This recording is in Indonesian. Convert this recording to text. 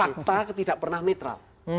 fakta tidak pernah netral